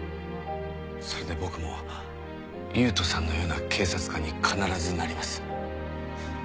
それで僕も優人さんのような警察官に必ずなります。